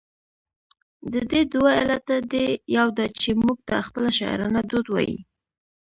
د دې دوه علته دي، يو دا چې، موږ ته خپله شاعرانه دود وايي،